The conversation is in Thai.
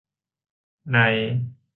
ใน